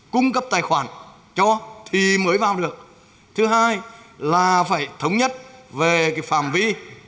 cung cấp tài khoản cho thì mới vào được thứ hai là phải thống nhất về phạm vi